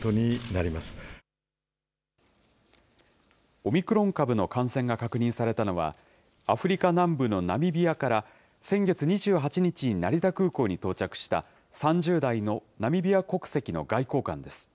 オミクロン株の感染が確認されたのは、アフリカ南部のナミビアから、先月２８日に成田空港に到着した、３０代のナミビア国籍の外交官です。